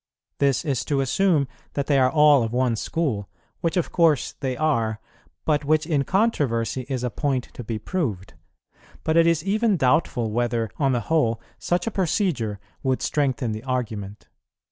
This is to assume that they are all of one school, which of course they are, but which in controversy is a point to be proved; but it is even doubtful whether, on the whole, such a procedure would strengthen the argument.